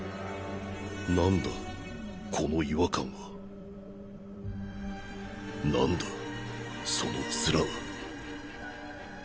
なんだこの違和感はなんだその面は